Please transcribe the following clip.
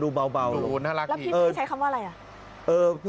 ดูน่ารักอีกอืมแล้วพี่พี่ใช้คำว่าอะไรอะ